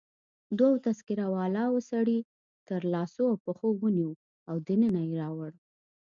دوو تذکره والاو سړی تر لاسو او پښو ونیو او دننه يې راوړ.